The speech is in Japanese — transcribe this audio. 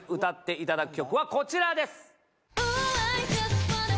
歌っていただく曲はこちらです。